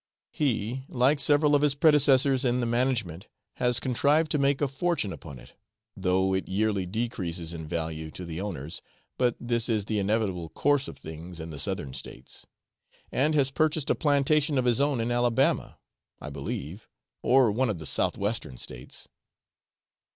He, like several of his predecessors in the management, has contrived to make a fortune upon it (though it yearly decreases in value to the owners, but this is the inevitable course of things in the southern states), and has purchased a plantation of his own in Alabama, I believe, or one of the south western states.